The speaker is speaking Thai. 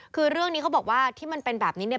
คือเรื่องนี้เขาบอกว่าที่มันเป็นแบบนี้เนี่ย